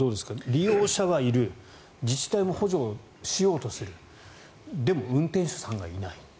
利用者はいる自治体も補助しようとするでも運転手さんがいない。